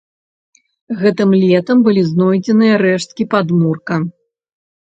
Гэтым летам былі знойдзеныя рэшткі падмурка.